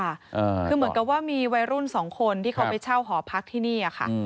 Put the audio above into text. อ่าคือเหมือนกับว่ามีวัยรุ่นสองคนที่เขาไปเช่าหอพักที่นี่อ่ะค่ะ